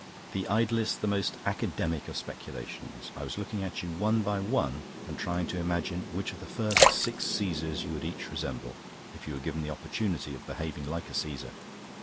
"The idlest, the most academic of speculations. I was looking at you one by one and trying to imagine which of the first six Caesars you would each resemble, if you were given the opportunity of behaving like a Caesar.